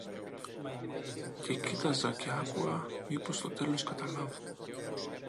Και κοίταζα και άκουα, μήπως στο τέλος καταλάβω.